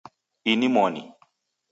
Ini moni